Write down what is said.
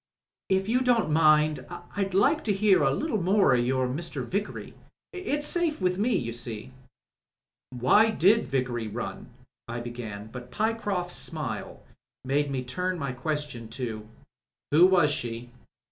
If you don't mind I'd like to hear a little more o' your Mr. Vickery. It's safe with me, you see." "Why did Vickery run," I began, but Pyecroft's smile made me turn my question to "Who was she?"